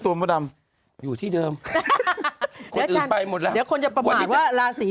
มดดำอยู่ที่เดิมคนอื่นไปหมดแล้วเดี๋ยวคนจะประมวลอีกว่าราศี